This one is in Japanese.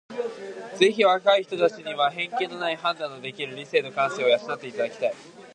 ぜひ若い人たちには偏見のない判断のできる理性と感性を養って貰いたい。